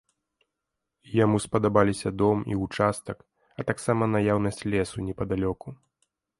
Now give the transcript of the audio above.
Яму спадабаліся дом і ўчастак, а таксама наяўнасць лесу непадалёку.